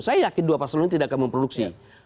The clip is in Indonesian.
saya yakin dua paslon ini tidak akan memproduksi